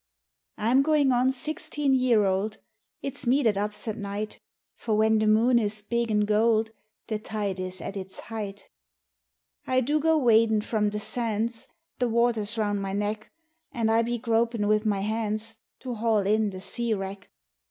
I'm goin' on sixteen year old ; It's me that ups at night, For when the moon is big an' gold The tide is at its height. 92 MAURY OGE 93 I do go wadin' from the sands, The wather's round my neck, And I be gropin' wid my hands To haul in the sea wrack.